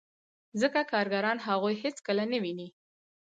ځکه کارګران هغوی هېڅکله نه ویني